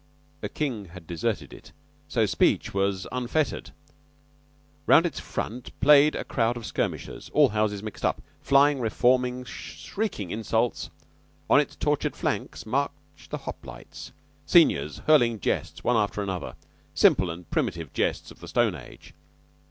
King had deserted it, so speech was unfettered. Round its front played a crowd of skirmishers all houses mixed flying, reforming, shrieking insults. On its tortured flanks marched the Hoplites, seniors hurling jests one after another simple and primitive jests of the Stone Age.